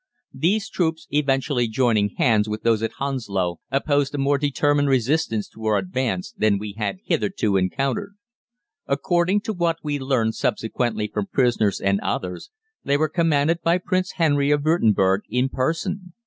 These troops, eventually joining hands with those at Hounslow, opposed a more determined resistance to our advance than we had hitherto encountered. "According to what we learned subsequently from prisoners and others, they were commanded by Prince Henry of Würtemberg in person.